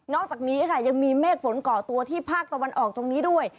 อกจากนี้ค่ะยังมีเมฆฝนก่อตัวที่ภาคตะวันออกตรงนี้ด้วย